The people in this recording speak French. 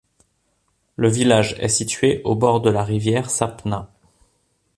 Le village est situé au bord de la rivière Sapna.